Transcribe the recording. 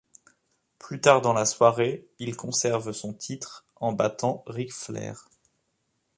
Plus tard dans la soirée, il conserve son titre en battant Ric Flair.